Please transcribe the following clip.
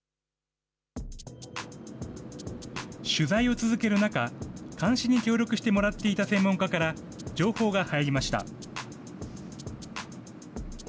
取材を続ける中、監視に協力してもらっていた専門家から、情報が入りました。